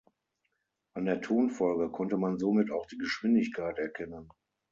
An der Tonfolge konnte man somit auch die Geschwindigkeit erkennen.